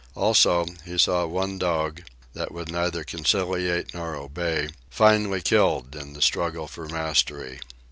Also he saw one dog, that would neither conciliate nor obey, finally killed in the struggle for mastery.